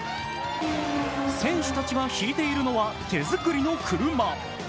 選手たちが引いているのは手作りの車。